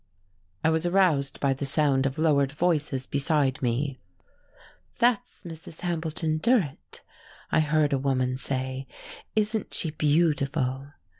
I was aroused by the sound of lowered voices beside me. "That's Mrs. Hambleton Durrett," I heard a woman say. "Isn't she beautiful?"